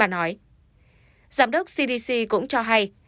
giám đốc cdc cũng cho hay